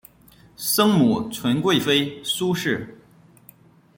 生母纯贵妃苏氏。